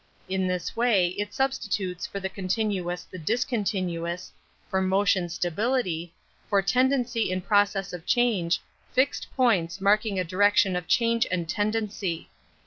In this way it substitutes for the continuous the discontinuous, for motion stability, for 66 An Introduction to tendency in process of change, fixed points marking a direction of change and ten dency.